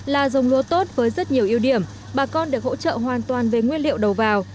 là dông lúa tốt với rất nhiều ưu điểm bà con được hỗ trợ hoàn toàn về nguyên liệu đầu vào